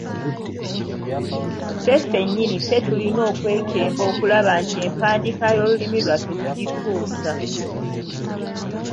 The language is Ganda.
Ffe ffennyini ffe tulina okwekemba okulaba nti empandiika y’olulimi lwaffe tugituusa.